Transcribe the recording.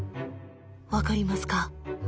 分かりますか？